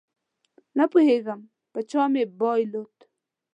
خو نپوهېږم په چا مې بایلود